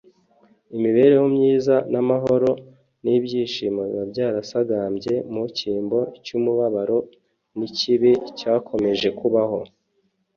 imibereho myiza, amahoro n'ibyishimo biba byarasagambye mu cyimbo cy'umubabaro n'ikibi cyakomeje kubaho